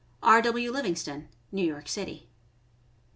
R.W. Livingston, New York City.